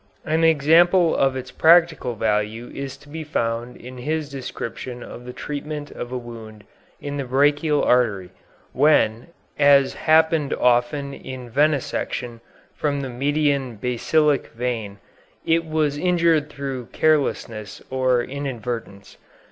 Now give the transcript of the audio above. An example of its practical value is to be found in his description of the treatment of a wound of the brachial artery, when, as happened often in venesection from the median basilic vein, it was injured through carelessness or inadvertence.